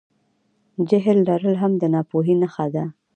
جهل لرل هم د ناپوهۍ نښه ده.